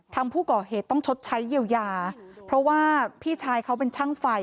ทางผู้ก่อเหตุต้องชดใช้เยียวยาเพราะว่าพี่ชายเขาเป็นช่างไฟ